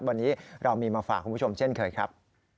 วันนี้เรามีมาฝากคุณผู้ชมเช่นเคยครับ